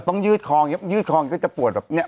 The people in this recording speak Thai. ต้องยืดคลองยืดคลองก็จะปวดแบบนี้